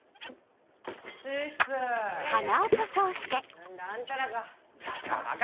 何だあんたらか。